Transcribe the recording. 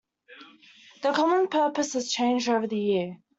The Common's purpose has changed over the years.